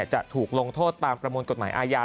จะถูกลงโทษตามประมวลกฎหมายอาญา